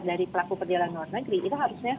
dari pelaku perjalanan luar negeri kita harusnya